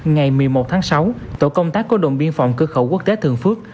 ngày một mươi một tháng sáu tổ công tác của đồn biên phòng cơ khẩu quốc tế thường phước